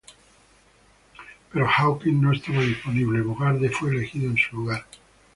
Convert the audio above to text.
Pero Hawkins no estaba disponible, Bogarde fue elegido en su lugar.